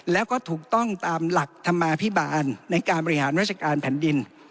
แล้วก็ถูกต้องตามหลักธรรมาภิบาลในการบริหารราชการแผ่นดิน